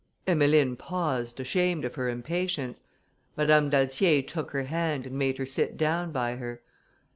Emmeline paused, ashamed of her impatience. Madame d'Altier took her hand, and made her sit down by her.